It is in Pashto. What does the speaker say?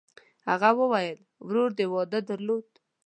هغه وویل: «ورور دې واده درلود؟»